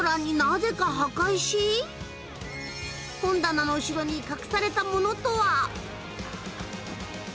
本棚の後ろに隠されたものとは？